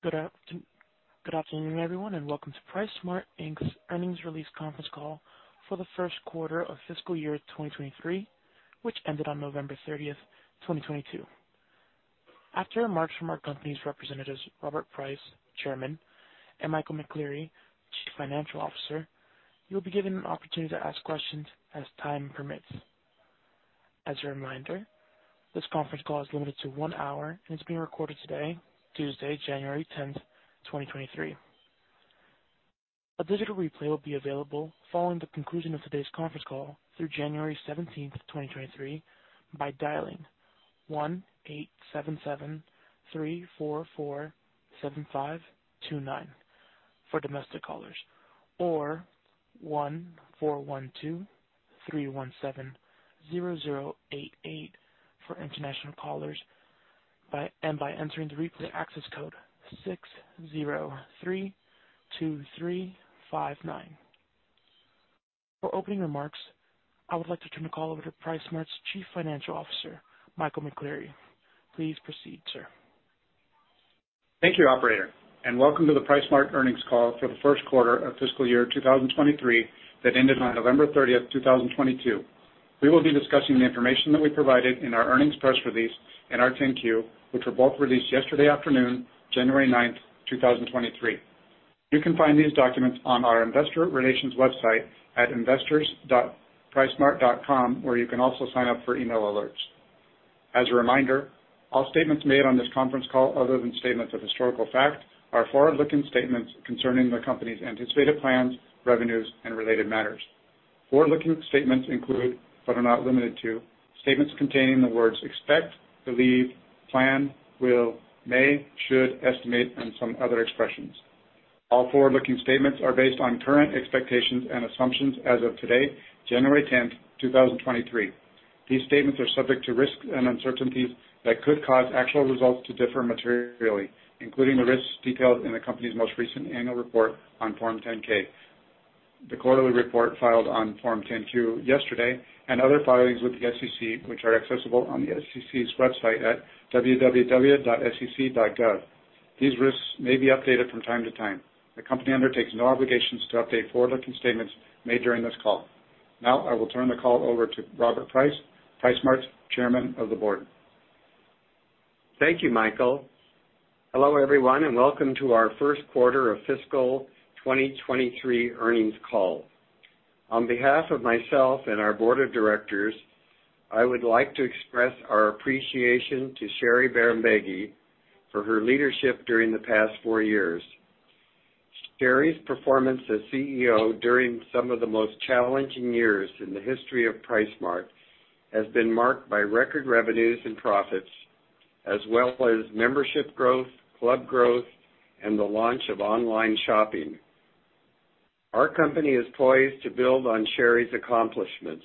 Good afternoon, everyone, and welcome to PriceSmart, Inc.'s Earnings Release Conference Call for the First Quarter of Fiscal Year 2023, which ended on November 30, 2022. After remarks from our company's representatives, Robert Price, Chairman, and Michael McCleary, Chief Financial Officer, you'll be given an opportunity to ask questions as time permits. As a reminder, this conference call is limited to one hour and it's being recorded today, Tuesday, January 10, 2023. A digital replay will be available following the conclusion of today's conference call through January 17, 2023 by dialing 1-877-344-7529 for domestic callers, or 1-412-317-0088 for international callers and by entering the replay access code 6032359. For opening remarks, I would like to turn the call over to PriceSmart's Chief Financial Officer, Michael McCleary. Please proceed, sir. Thank you, operator, welcome to the PriceSmart earnings call for the first quarter of fiscal year 2023 that ended on November 30th, 2022. We will be discussing the information that we provided in our earnings press release and our Form 10-Q, which were both released yesterday afternoon, January 9th, 2023. You can find these documents on our investor relations website at investors.pricesmart.com, where you can also sign up for email alerts. As a reminder, all statements made on this conference call, other than statements of historical fact, are forward-looking statements concerning the company's anticipated plans, revenues, and related matters. Forward-looking statements include, but are not limited to, statements containing the words expect, believe, plan, will, may, should, estimate, and some other expressions. All forward-looking statements are based on current expectations and assumptions as of today, January 10th, 2023. These statements are subject to risks and uncertainties that could cause actual results to differ materially, including the risks detailed in the company's most recent annual report on Form 10-K, the quarterly report filed on Form 10-Q yesterday, and other filings with the SEC, which are accessible on the SEC's website at www.sec.gov. These risks may be updated from time to time. The company undertakes no obligations to update forward-looking statements made during this call. I will turn the call over to Robert Price, PriceSmart's Chairman of the Board. Thank you, Michael. Hello, everyone, and welcome to our first quarter of fiscal 2023 earnings call. On behalf of myself and our board of directors, I would like to express our appreciation to Sherry S. Bahrambeygui for her leadership during the past four years. Sherry's performance as CEO during some of the most challenging years in the history of PriceSmart has been marked by record revenues and profits, as well as membership growth, club growth, and the launch of online shopping. Our company is poised to build on Sherry's accomplishments.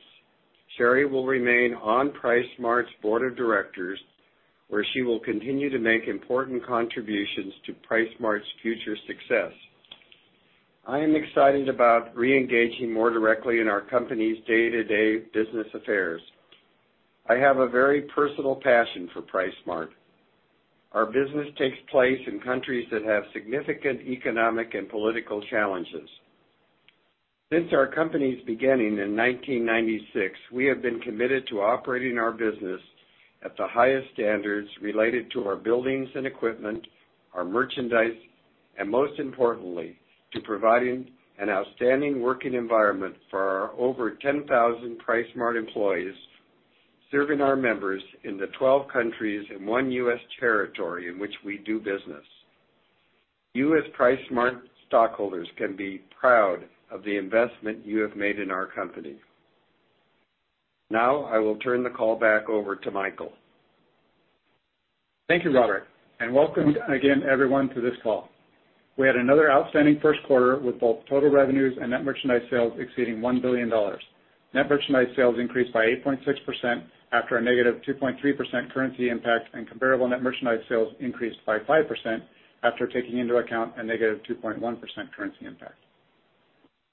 Sherry will remain on PriceSmart's board of directors, where she will continue to make important contributions to PriceSmart's future success. I am excited about re-engaging more directly in our company's day-to-day business affairs. I have a very personal passion for PriceSmart. Our business takes place in countries that have significant economic and political challenges. Since our company's beginning in 1996, we have been committed to operating our business at the highest standards related to our buildings and equipment, our merchandise, and most importantly, to providing an outstanding working environment for our over 10,000 PriceSmart employees, serving our members in the 12 countries and 1 U.S. territory in which we do business. U.S. PriceSmart stockholders can be proud of the investment you have made in our company. Now, I will turn the call back over to Michael. Thank you, Robert, and welcome again, everyone, to this call. We had another outstanding first quarter with both total revenues and net merchandise sales exceeding $1 billion. Net merchandise sales increased by 8.6% after a -2.3% currency impact, and comparable net merchandise sales increased by 5% after taking into account a -2.1% currency impact.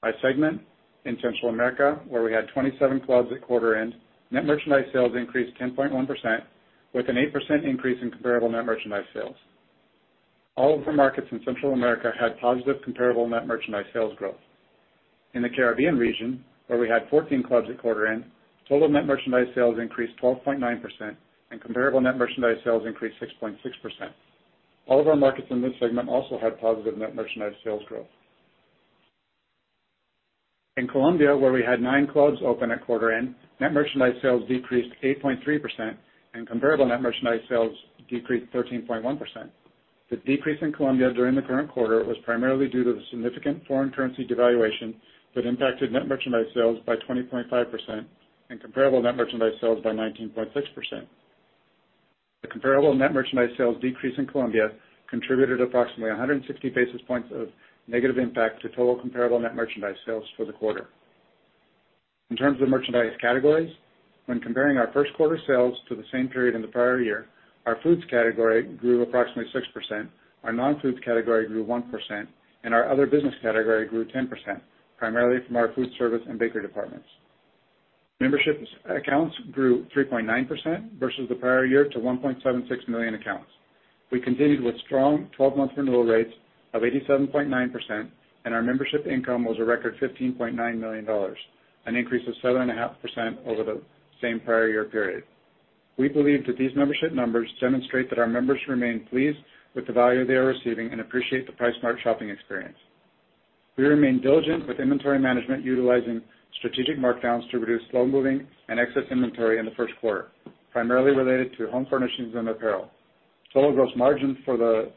By segment in Central America, where we had 27 clubs at quarter end, net merchandise sales increased 10.1% with an 8% increase in comparable net merchandise sales. All of our markets in Central America had positive comparable net merchandise sales growth. In the Caribbean region, where we had 14 clubs at quarter end, total net merchandise sales increased 12.9% and comparable net merchandise sales increased 6.6%. All of our markets in this segment also had positive net merchandise sales growth. In Colombia, where we had 9 clubs open at quarter end, net merchandise sales decreased 8.3% and comparable net merchandise sales decreased 13.1%. The decrease in Colombia during the current quarter was primarily due to the significant foreign currency devaluation that impacted net merchandise sales by 20.5% and comparable net merchandise sales by 19.6%. The comparable net merchandise sales decrease in Colombia contributed approximately 160 basis points of negative impact to total comparable net merchandise sales for the quarter. In terms of merchandise categories, when comparing our first quarter sales to the same period in the prior year, our foods category grew approximately 6%, our non-food category grew 1%, and our other business category grew 10%, primarily from our food service and bakery departments. Membership accounts grew 3.9% versus the prior year to 1.76 million accounts. We continued with strong 12-month renewal rates of 87.9%. Our membership income was a record $15.9 million, an increase of 7.5% over the same prior year period. We believe that these membership numbers demonstrate that our members remain pleased with the value they are receiving and appreciate the PriceSmart shopping experience. We remain diligent with inventory management, utilizing strategic markdowns to reduce slow-moving and excess inventory in the first quarter, primarily related to home furnishings and apparel. Total gross margin for the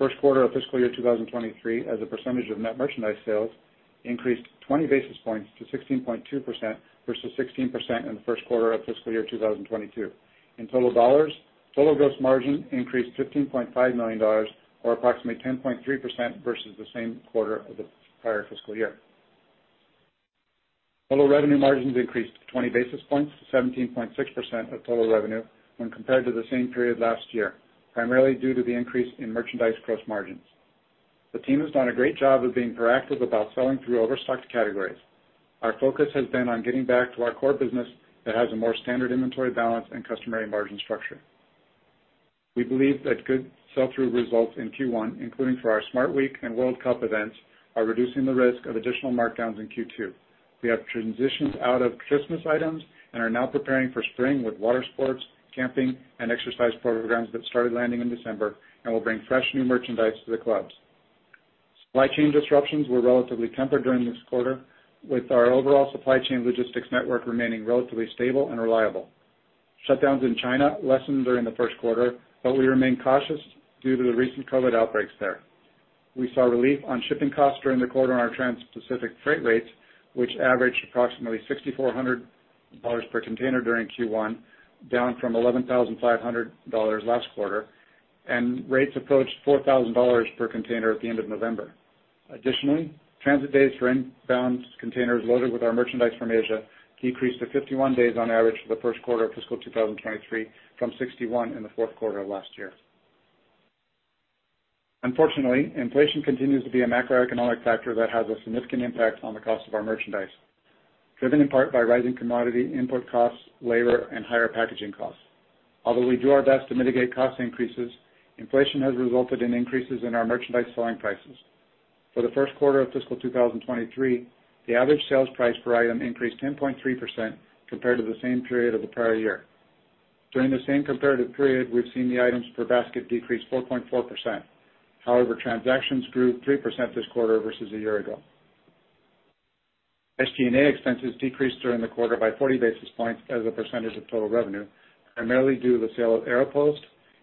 first quarter of fiscal year 2023 as a percentage of net merchandise sales increased 20 basis points to 16.2% versus 16% in the first quarter of fiscal year 2022. In total dollars, total gross margin increased $15.5 million or approximately 10.3% versus the same quarter of the prior fiscal year. Total revenue margins increased 20 basis points to 17.6% of total revenue when compared to the same period last year, primarily due to the increase in merchandise gross margins. The team has done a great job of being proactive about selling through overstocked categories. Our focus has been on getting back to our core business that has a more standard inventory balance and customary margin structure. We believe that good sell-through results in Q1, including for our Smart Week and World Cup events, are reducing the risk of additional markdowns in Q2. We have transitioned out of Christmas items and are now preparing for spring with water sports, camping, and exercise programs that started landing in December and will bring fresh new merchandise to the clubs. Supply chain disruptions were relatively tempered during this quarter, with our overall supply chain logistics network remaining relatively stable and reliable. Shutdowns in China lessened during the first quarter, but we remain cautious due to the recent COVID outbreaks there. We saw relief on shipping costs during the quarter on our transpacific freight rates, which averaged approximately $6,400 per container during Q1, down from $11,500 last quarter. Rates approached $4,000 per container at the end of November. Additionally, transit days for inbound containers loaded with our merchandise from Asia decreased to 51 days on average for the first quarter of fiscal 2023 from 61 in the fourth quarter of last year. Unfortunately, inflation continues to be a macroeconomic factor that has a significant impact on the cost of our merchandise, driven in part by rising commodity input costs, labor, and higher packaging costs. Although we do our best to mitigate cost increases, inflation has resulted in increases in our merchandise selling prices. For the first quarter of fiscal 2023, the average sales price per item increased 10.3% compared to the same period of the prior year. During the same comparative period, we've seen the items per basket decrease 4.4%. However, transactions grew 3% this quarter versus a year ago. SG&A expenses decreased during the quarter by 40 basis points as a percentage of total revenue, primarily due to the sale of Aeropost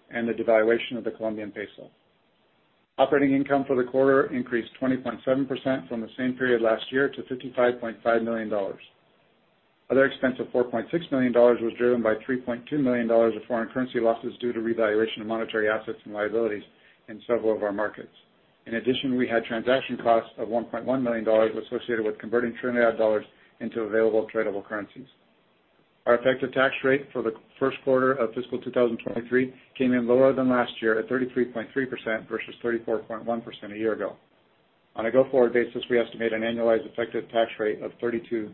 and the devaluation of the Colombian peso. Operating income for the quarter increased 20.7% from the same period last year to $55.5 million. Other expense of $4.6 million was driven by $3.2 million of foreign currency losses due to revaluation of monetary assets and liabilities in several of our markets. In addition, we had transaction costs of $1.1 million associated with converting Trinidad dollars into available tradable currencies. Our effective tax rate for the first quarter of fiscal 2023 came in lower than last year at 33.3% versus 34.1% a year ago. On a go-forward basis, we estimate an annualized effective tax rate of 32%-33%.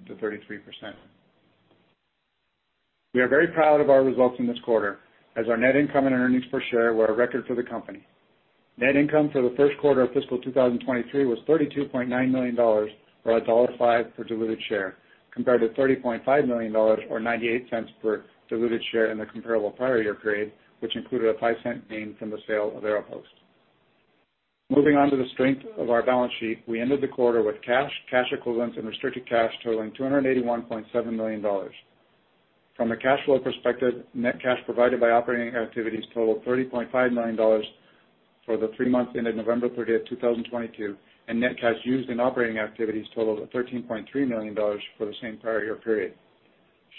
We are very proud of our results in this quarter, as our net income and earnings per share were a record for the company. Net income for the first quarter of fiscal 2023 was $32.9 million, or $1.05 per diluted share, compared to $30.5 million or $0.98 per diluted share in the comparable prior year period, which included a $0.05 gain from the sale of Aeropost. Moving on to the strength of our balance sheet, we ended the quarter with cash equivalents, and restricted cash totaling $281.7 million. From a cash flow perspective, net cash provided by operating activities totaled $30.5 million for the 3 months ended November 30, 2022, and net cash used in operating activities totaled $13.3 million for the same prior year period.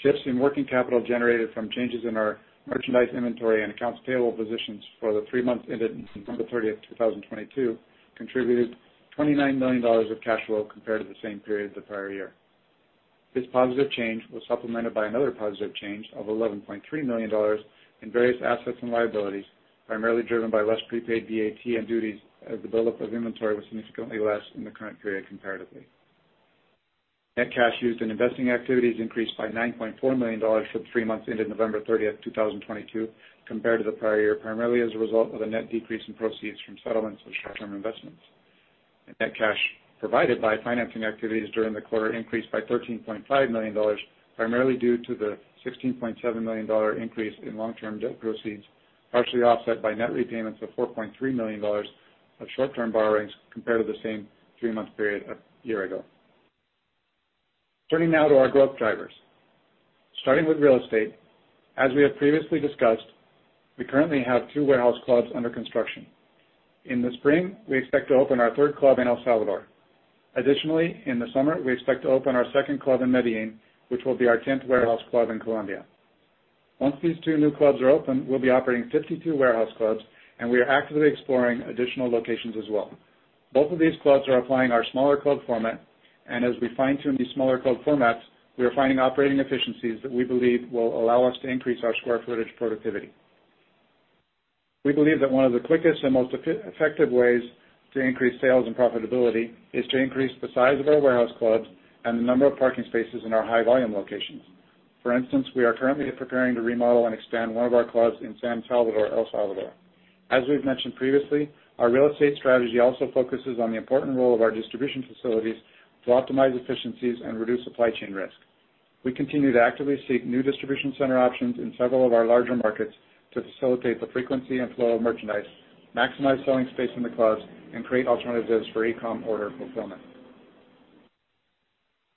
Shifts in working capital generated from changes in our merchandise inventory and accounts payable positions for the 3 months ended September 30, 2022 contributed $29 million of cash flow compared to the same period the prior year. This positive change was supplemented by another positive change of $11.3 million in various assets and liabilities, primarily driven by less prepaid VAT and duties as the buildup of inventory was significantly less in the current period comparatively. Net cash used in investing activities increased by $9.4 million for the 3 months ended November 30th, 2022, compared to the prior year, primarily as a result of a net decrease in proceeds from settlements of short-term investments. Net cash provided by financing activities during the quarter increased by $13.5 million, primarily due to the $16.7 million increase in long-term debt proceeds, partially offset by net repayments of $4.3 million of short-term borrowings compared to the same three-month period a year ago. Turning now to our growth drivers. Starting with real estate, as we have previously discussed, we currently have two warehouse clubs under construction. In the spring, we expect to open our third club in El Salvador. In the summer, we expect to open our second club in Medellín, which will be our tenth warehouse club in Colombia. Once these two new clubs are open, we'll be operating 52 warehouse clubs, and we are actively exploring additional locations as well. Both of these clubs are applying our smaller club format, and as we fine-tune these smaller club formats, we are finding operating efficiencies that we believe will allow us to increase our square footage productivity. We believe that one of the quickest and most effective ways to increase sales and profitability is to increase the size of our warehouse clubs and the number of parking spaces in our high volume locations. For instance, we are currently preparing to remodel and expand one of our clubs in San Salvador, El Salvador. As we've mentioned previously, our real estate strategy also focuses on the important role of our distribution facilities to optimize efficiencies and reduce supply chain risk. We continue to actively seek new distribution center options in several of our larger markets to facilitate the frequency and flow of merchandise, maximize selling space in the clubs, and create alternatives for e-com order fulfillment.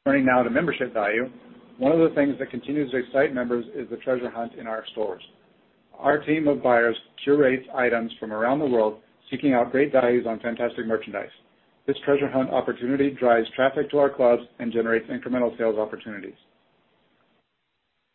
Turning now to membership value. One of the things that continues to excite members is the treasure hunt in our stores. Our team of buyers curates items from around the world, seeking out great values on fantastic merchandise. This treasure hunt opportunity drives traffic to our clubs and generates incremental sales opportunities.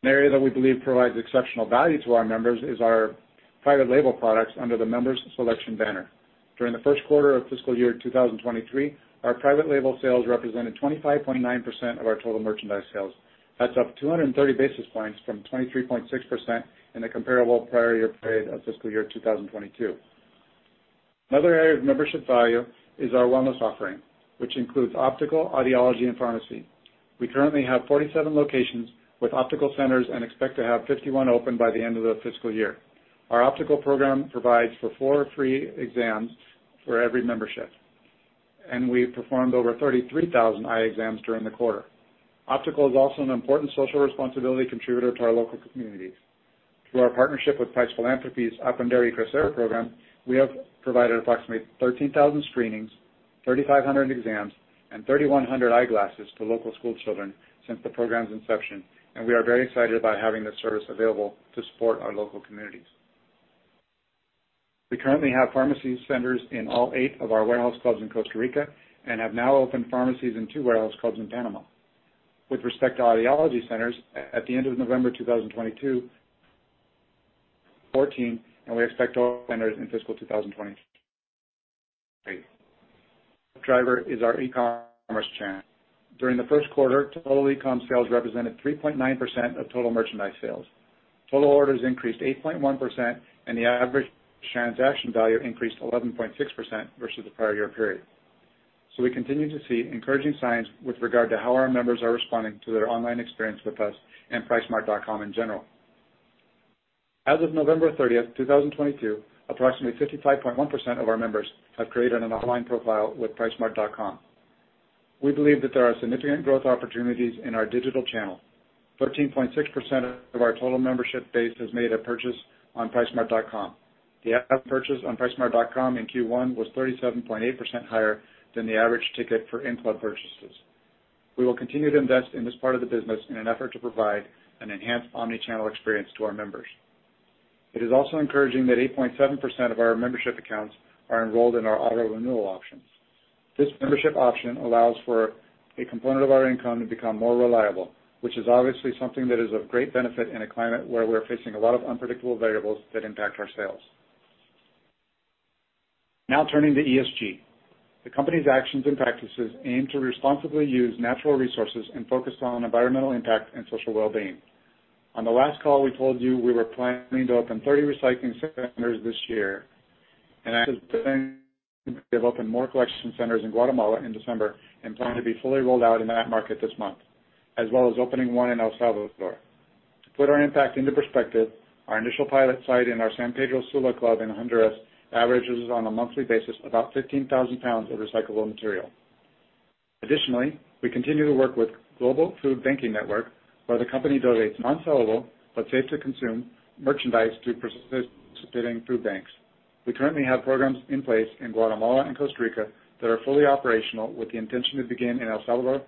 An area that we believe provides exceptional value to our members is our private label products under the Member's Selection banner. During the first quarter of fiscal year 2023, our private label sales represented 25.9% of our total merchandise sales. That's up 230 basis points from 23.6% in the comparable prior year period of fiscal year 2022. Another area of membership value is our wellness offering, which includes optical, audiology, and pharmacy. We currently have 47 locations with optical centers, and expect to have 51 open by the end of the fiscal year. Our optical program provides for 4 free exams for every membership, and we performed over 33,000 eye exams during the quarter. Optical is also an important social responsibility contributor to our local communities. Through our partnership with Price Philanthropies' Aprender y Crecer program, we have provided approximately 13,000 screenings, 3,500 exams, and 3,100 eyeglasses to local schoolchildren since the program's inception, and we are very excited about having this service available to support our local communities. We currently have pharmacy centers in all 8 of our warehouse clubs in Costa Rica and have now opened pharmacies in 2 warehouse clubs in Panama. With respect to audiology centers, at the end of November 2022, 14, and we expect all in fiscal 2023. Driver is our e-commerce channel. During the first quarter, total e-com sales represented 3.9% of total merchandise sales. Total orders increased 8.1%, and the average transaction value increased 11.6% versus the prior year period. We continue to see encouraging signs with regard to how our members are responding to their online experience with us and pricesmart.com in general. As of November 30, 2022, approximately 55.1% of our members have created an online profile with pricesmart.com. We believe that there are significant growth opportunities in our digital channel. 13.6% of our total membership base has made a purchase on pricesmart.com. The average purchase on pricesmart.com in Q1 was 37.8% higher than the average ticket for in-club purchases. We will continue to invest in this part of the business in an effort to provide an enhanced omnichannel experience to our members. It is also encouraging that 8.7% of our membership accounts are enrolled in our auto-renewal options. This membership option allows for a component of our income to become more reliable, which is obviously something that is of great benefit in a climate where we're facing a lot of unpredictable variables that impact our sales. Turning to ESG. The company's actions and practices aim to responsibly use natural resources and focus on environmental impact and social well-being. On the last call, we told you we were planning to open 30 recycling centers this year. I have opened more collection centers in Guatemala in December and plan to be fully rolled out in that market this month, as well as opening one in El Salvador. To put our impact into perspective, our initial pilot site in our San Pedro Sula club in Honduras averages on a monthly basis about 15,000 pounds of recyclable material. Additionally, we continue to work with Global FoodBanking Network, where the company donates unsellable but safe to consume merchandise to participating food banks. We currently have programs in place in Guatemala and Costa Rica that are fully operational, with the intention to begin in El Salvador,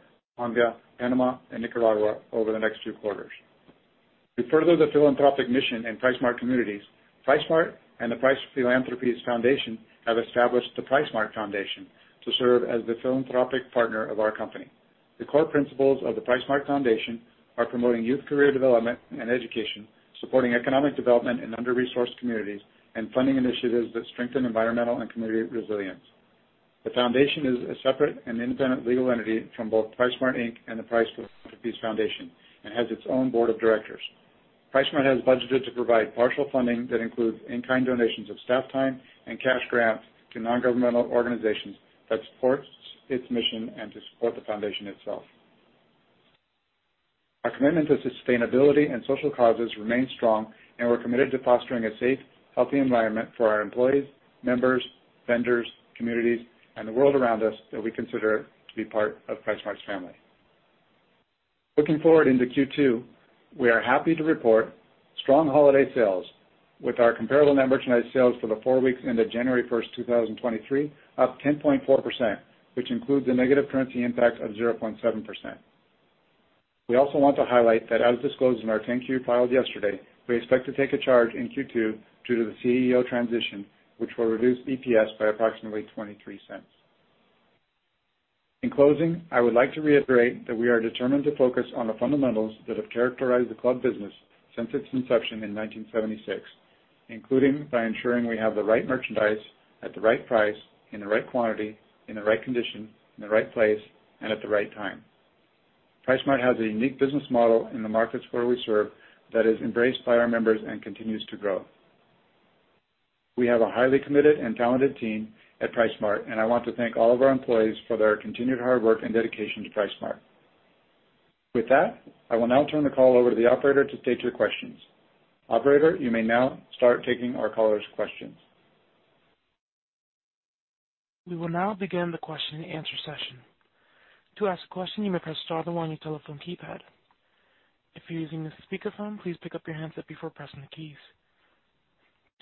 Panama, and Nicaragua over the next few quarters. To further the philanthropic mission in PriceSmart communities, PriceSmart and the Price Philanthropies Foundation have established the PriceSmart Foundation to serve as the philanthropic partner of our company. The core principles of the PriceSmart Foundation are promoting youth career development and education, supporting economic development in under-resourced communities, and funding initiatives that strengthen environmental and community resilience. The foundation is a separate and independent legal entity from both PriceSmart, Inc. and the Price Philanthropies Foundation and has its own board of directors. PriceSmart has budgeted to provide partial funding that includes in-kind donations of staff time and cash grants to nongovernmental organizations that supports its mission and to support the foundation itself. Our commitment to sustainability and social causes remain strong, and we're committed to fostering a safe, healthy environment for our employees, members, vendors, communities, and the world around us that we consider to be part of PriceSmart's family. Looking forward into Q2, we are happy to report strong holiday sales with our comparable net merchandise sales for the 4 weeks ended January first 2023, up 10.4%, which includes a negative currency impact of 0.7%. We also want to highlight that as disclosed in our 10-Q filed yesterday, we expect to take a charge in Q2 due to the CEO transition, which will reduce EPS by approximately $0.23. In closing, I would like to reiterate that we are determined to focus on the fundamentals that have characterized the club business since its inception in 1976, including by ensuring we have the right merchandise at the right price, in the right quantity, in the right condition, in the right place, and at the right time. PriceSmart has a unique business model in the markets where we serve that is embraced by our members and continues to grow. We have a highly committed and talented team at PriceSmart, and I want to thank all of our employees for their continued hard work and dedication to PriceSmart. With that, I will now turn the call over to the operator to take your questions. Operator, you may now start taking our callers' questions. We will now begin the question and answer session. To ask a question, you may press star then one on your telephone keypad. If you're using a speakerphone, please pick up your handset before pressing the keys.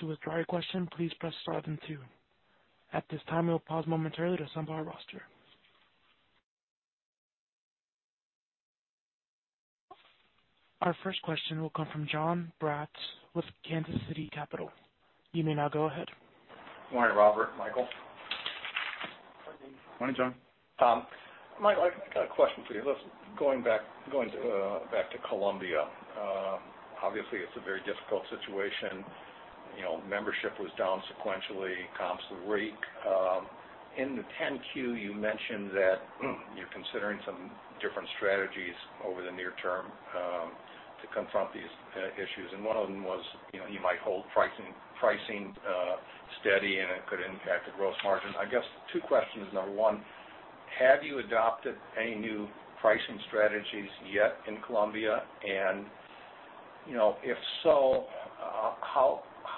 To withdraw your question, please press star then two. At this time, we'll pause momentarily to assemble our roster. Our first question will come from Jon Braatz with Kansas City Capital. You may now go ahead. Good morning, Robert, Michael. Morning, John. Mike, I got a question for you. Let's going back, going to back to Colombia. Obviously it's a very difficult situation. You know, membership was down sequentially, comps were weak. In the Form 10-Q, you mentioned that you're considering some different strategies over the near-term to confront these issues. One of them was, you know, you might hold pricing steady, and it could impact the gross margin. I guess two questions. Number one, have you adopted any new pricing strategies yet in Colombia? You know, if so,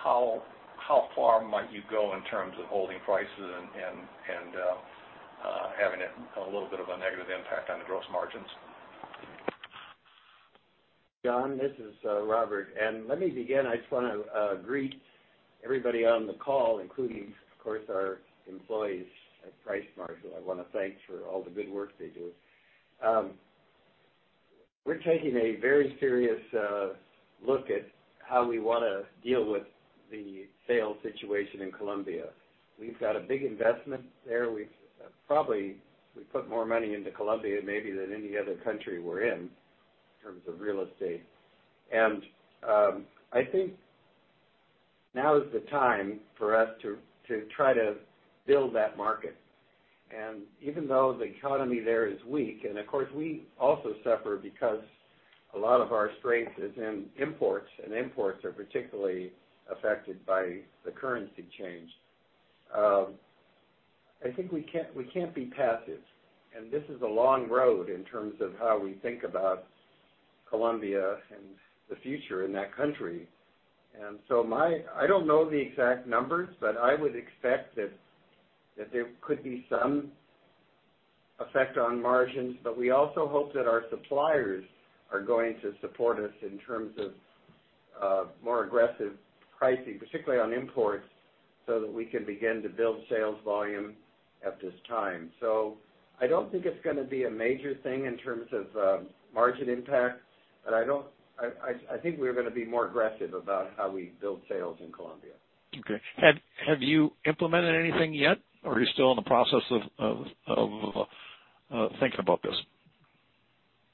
how far might you go in terms of holding prices and having it a little bit of a negative impact on the gross margins? Jon, this is Robert, and let me begin. I just wanna greet everybody on the call, including, of course, our employees at PriceSmart, who I wanna thank for all the good work they do. We're taking a very serious look at how we wanna deal with the sales situation in Colombia. We've got a big investment there. We've probably put more money into Colombia maybe than any other country we're in in terms of real estate. I think now is the time for us to try to build that market. Even though the economy there is weak, and of course, we also suffer because a lot of our strength is in imports, and imports are particularly affected by the currency change. I think we can't be passive. This is a long road in terms of how we think about Colombia and the future in that country. I don't know the exact numbers, but I would expect that there could be some effect on margins. We also hope that our suppliers are going to support us in terms of more aggressive pricing, particularly on imports, so that we can begin to build sales volume at this time. I don't think it's gonna be a major thing in terms of margin impact, but I think we're gonna be more aggressive about how we build sales in Colombia. Okay. Have you implemented anything yet, or are you still in the process of thinking about this?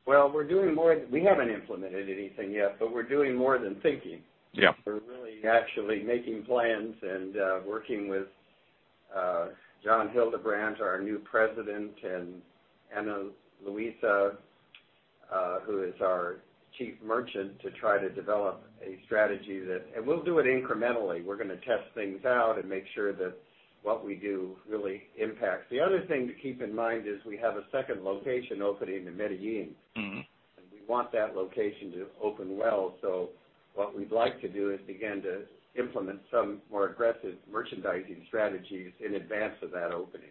We haven't implemented anything yet, but we're doing more than thinking. Yeah. We're really actually making plans and working with John Hildebrandt, our new President, and Ana Luisa, who is our Chief Merchant, to try to develop a strategy that. We'll do it incrementally. We're gonna test things out and make sure that what we do really impacts. The other thing to keep in mind is we have a second location opening in Medellín. Mm-hmm. We want that location to open well. What we'd like to do is begin to implement some more aggressive merchandising strategies in advance of that opening.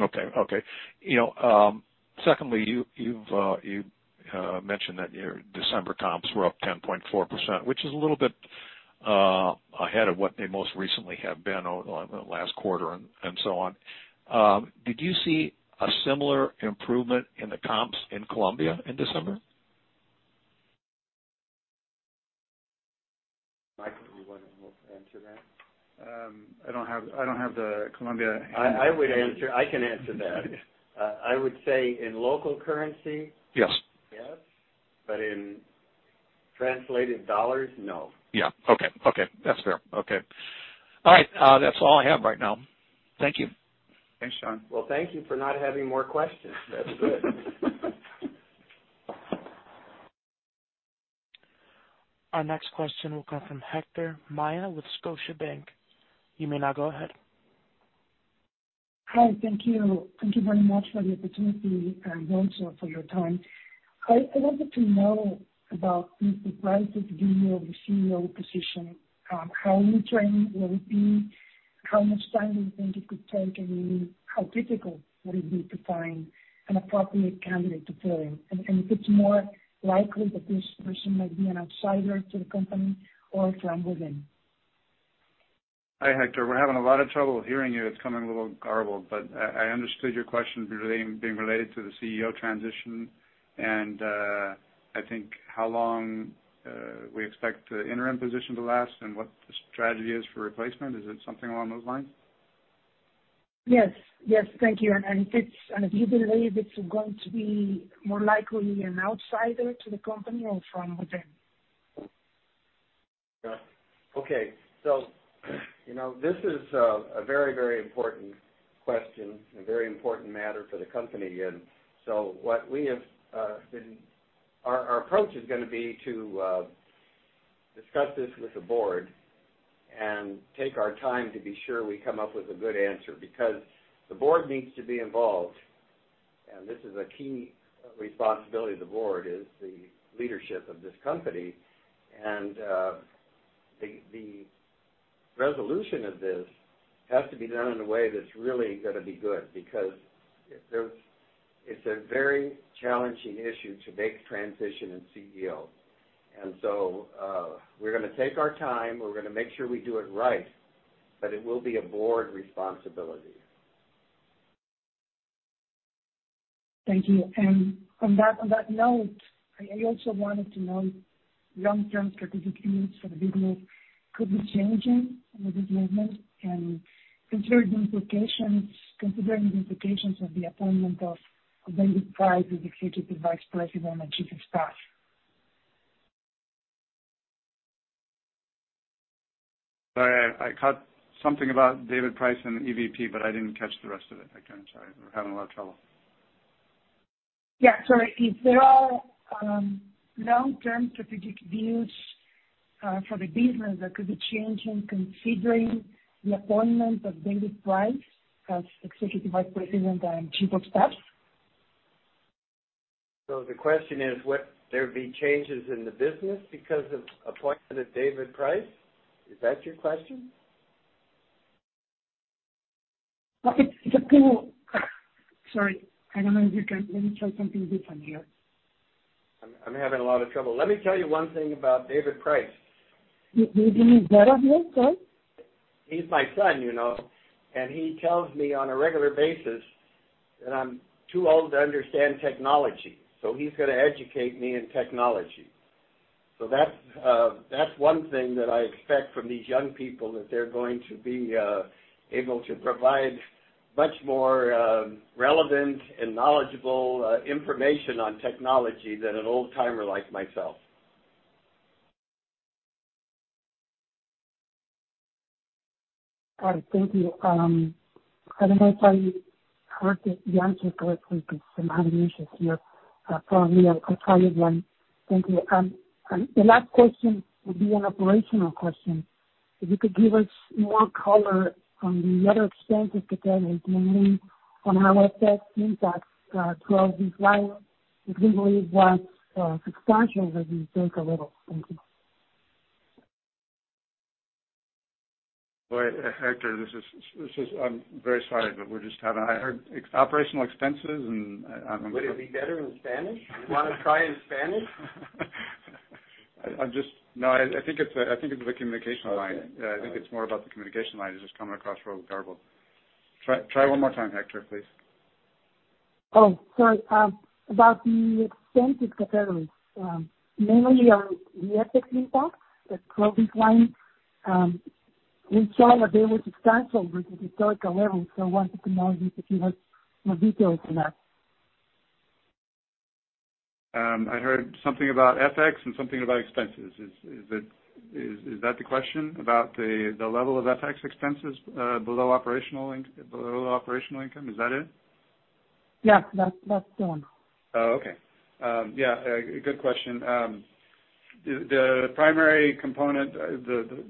Okay. Okay. You know, secondly, you've you mentioned that your December comps were up 10.4%, which is a little bit ahead of what they most recently have been over the last quarter and so on. Did you see a similar improvement in the comps in Colombia in December? Mike, do you wanna answer that? I don't have, I don't have the Colombia. I would answer. I can answer that. Okay. I would say in local currency. Yes. yes. In translated dollars, no. Yeah. Okay. Okay. That's fair. Okay. All right, that's all I have right now. Thank you. Thanks, Jon. Well, thank you for not having more questions. That's good. Our next question will come from Héctor Maya with Scotiabank. You may now go ahead. Hi. Thank you. Thank you very much for the opportunity and also for your time. I wanted to know about the progress of the CEO position, how long-term will it be? How much time do you think it could take? Really how difficult would it be to find an appropriate candidate to fill in? If it's more likely that this person might be an outsider to the company or from within. Hi, Héctor. We're having a lot of trouble hearing you. It's coming a little garbled. I understood your question relating, being related to the CEO transition and, I think how long, we expect the interim position to last and what the strategy is for replacement. Is it something along those lines? Yes. Yes. Thank you. If you believe it's going to be more likely an outsider to the company or from within? Yeah. Okay. You know, this is a very, very important question and very important matter for the company. Our approach is gonna be to discuss this with the board and take our time to be sure we come up with a good answer. Because the board needs to be involved, and this is a key responsibility of the board, is the leadership of this company. The resolution of this has to be done in a way that's really gonna be good because it's a very challenging issue to make transition in CEO. We're gonna take our time. We're gonna make sure we do it right, but it will be a board responsibility. Thank you. On that note, I also wanted to know long-term strategic needs for the business could be changing with this movement and consider the implications, considering the implications of the appointment of David Price as Executive Vice President and Chief of Staff. Sorry, I caught something about David Price and EVP, I didn't catch the rest of it. I can't. Sorry. We're having a lot of trouble. Yeah. Sorry. Is there long-term strategic views for the business that could be changing considering the appointment of David Price as Executive Vice President and Chief of Staff? The question is, would there be changes in the business because of appointment of David Price? Is that your question? Sorry, I don't know if you can let me try something different here. I'm having a lot of trouble. Let me tell you one thing about David Price. He's the son of you? Sorry. He's my son, you know. He tells me on a regular basis that I'm too old to understand technology, so he's gonna educate me in technology. That's, that's one thing that I expect from these young people, that they're going to be able to provide much more relevant and knowledgeable information on technology than an old-timer like myself. All right, thank you. I don't know if I heard the answer correctly because I'm having issues here, for me. I'll try again. Thank you. The last question would be an operational question. If you could give us more color on the other expenses categories, mainly on how FX impact drove decline, including what expansion has been built a little. Thank you. Wait, Héctor, this is. I'm very sorry, but we're just having. I heard operational expenses and. Would it be better in Spanish? You wanna try in Spanish? No, I think it's the communication line. Okay. All right. I think it's more about the communication line. It's just coming across really garbled. Try one more time, Héctor, please. Oh, sorry. About the expenses categories, mainly on the FX impact, the core decline. We saw that there was expansion with the historical levels, so wanted to know if you could give us more details on that. I heard something about FX and something about expenses. Is that the question about the level of FX expenses, below operational income? Is that it? Yes. That's the one. Oh, okay. Yeah, good question. The, the primary component, the,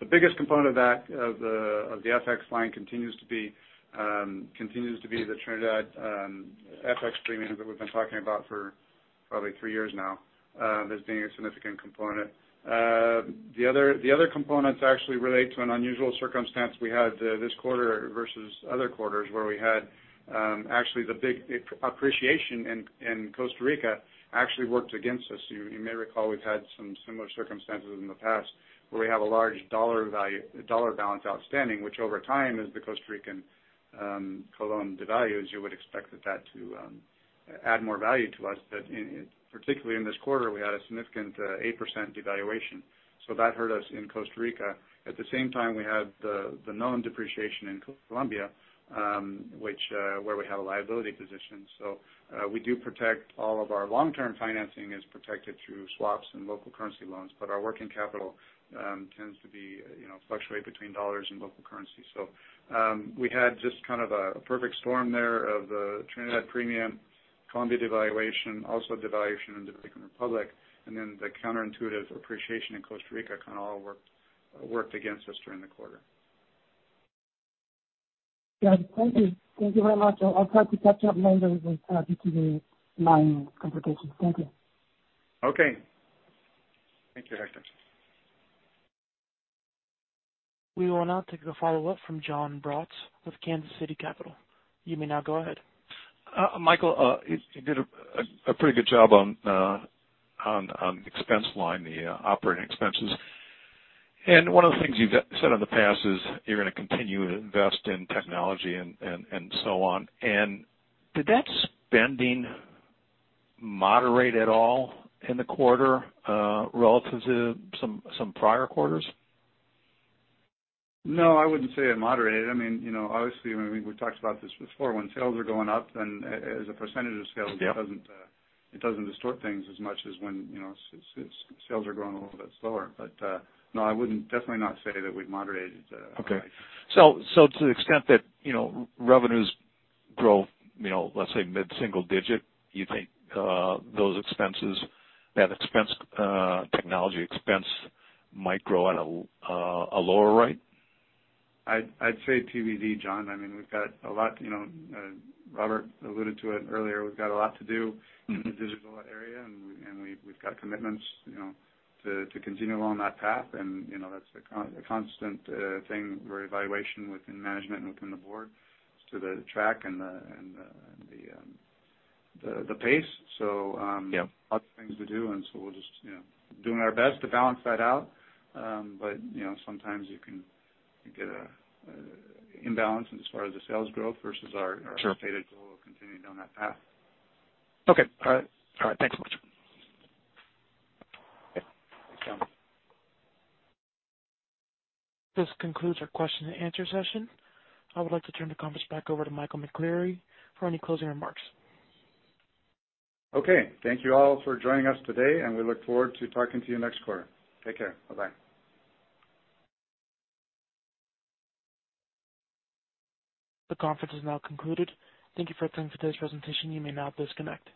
the biggest component of that, of the, of the FX line continues to be the Trinidad FX premium that we've been talking about for probably three years now, as being a significant component. The other components actually relate to an unusual circumstance we had this quarter versus other quarters, where we had actually the big appreciation in Costa Rica actually worked against us. You may recall we've had some similar circumstances in the past, where we have a large dollar value, dollar balance outstanding, which over time is the Costa Rican colon devalues, you would expect that to add more value to us. In, particularly in this quarter, we had a significant 8% devaluation. That hurt us in Costa Rica. At the same time, we had the known depreciation in Colombia, which, where we had a liability position. We do protect all of our long-term financing is protected through swaps and local currency loans, but our working capital, you know, tends to be, fluctuate between dollars and local currency. We had just kind of a perfect storm there of the Trinidad premium, Colombia devaluation, also devaluation in Dominican Republic, and then the counterintuitive appreciation in Costa Rica kind of all worked against us during the quarter. Yeah. Thank you. Thank you very much. I'll try to catch up later with due to the line complications. Thank you. Okay. Thank you, Héctor. We will now take a follow-up from Jon Braatz with Kansas City Capital. You may now go ahead. Michael, you did a pretty good job on the expense line, the Operating Expenses. One of the things you've said in the past is you're gonna continue to invest in technology and so on. Did that spending moderate at all in the quarter relative to some prior quarters? No, I wouldn't say it moderated. I mean, you know, obviously, I mean, we've talked about this before. When sales are going up, then as a percentage of sales. Yeah. It doesn't, it doesn't distort things as much as when, you know, sales are growing a little bit slower. No, I wouldn't, definitely not say that we've moderated, our. Okay. To the extent that, you know, revenues grow, you know, let's say mid-single digit, you think those expenses, that expense, technology expense might grow at a lower rate? I'd say TBD, Jon. I mean, we've got a lot, you know, Robert alluded to it earlier, we've got a lot to do. Mm-hmm. In the digital area, and we've got commitments, you know, to continue along that path. You know, that's a constant thing for evaluation within management and within the board as to the track and the pace. Yeah. A lot of things to do, we'll just, you know, doing our best to balance that out. You know, sometimes you can get a imbalance as far as the sales growth versus our. Sure. Expected goal of continuing down that path. Okay. All right. All right. Thanks a bunch. Yeah. Thanks, Jon. This concludes our question and answer session. I would like to turn the conference back over to Michael McCleary for any closing remarks. Okay. Thank you all for joining us today, and we look forward to talking to you next quarter. Take care. Bye-bye. The conference is now concluded. Thank you for attending today's presentation. You may now disconnect.